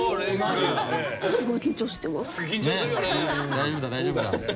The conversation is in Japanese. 大丈夫だ大丈夫だ。